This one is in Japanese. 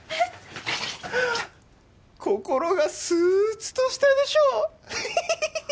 心がスーツとしたでしょう